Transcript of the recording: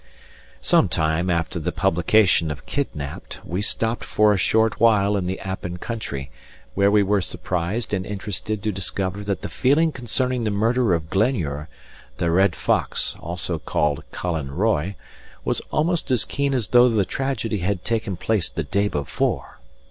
Some time after the publication of Kidnapped we stopped for a short while in the Appin country, where we were surprised and interested to discover that the feeling concerning the murder of Glenure (the "Red Fox," also called "Colin Roy") was almost as keen as though the tragedy had taken place the day before.